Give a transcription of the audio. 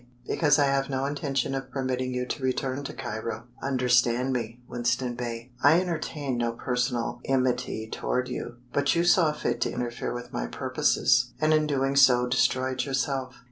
"Because I have no intention of permitting you to return to Cairo. Understand me, Winston Bey I entertain no personal enmity toward you; but you saw fit to interfere with my purposes, and in doing so destroyed yourself.